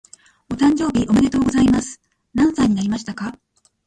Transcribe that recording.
お誕生日おめでとうございます。何歳になりましたか？